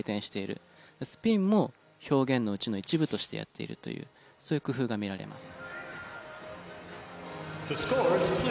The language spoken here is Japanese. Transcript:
スピンも表現のうちの一部としてやっているというそういう工夫が見られます。